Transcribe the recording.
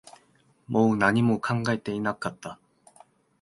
もう何も考えていなかった